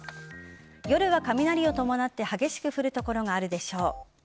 夜は雷を伴って激しく降る所があるでしょう。